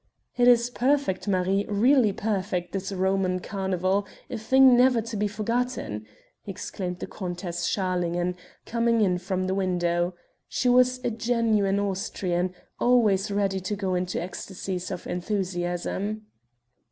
"It is perfect, Marie, really perfect, this Roman carnival a thing never to be forgotten!" exclaimed the Countess Schalingen, coming in from the window. She was a genuine Austrian, always ready to go into ecstasies of enthusiasm.